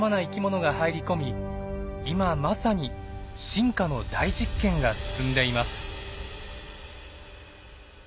今まさに進化の大実験が進んでいます。